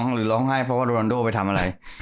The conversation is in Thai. หรือร้องไห้เพราะว่าโรนโดไปทำอะไร